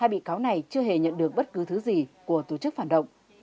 hai bị cáo này chưa hề nhận được bất cứ thứ gì của tổ chức phản động